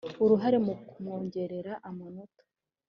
uruhare mu kumwongerera amanota